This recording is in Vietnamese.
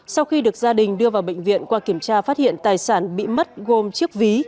sau khi được gia đình đưa vào bệnh viện qua kiểm tra phát hiện tài sản bị mất gồm chiếc ví